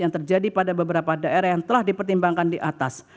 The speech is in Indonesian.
yang terjadi pada beberapa daerah yang telah dipertimbangkan di atas